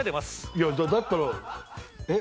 いやだったらえっ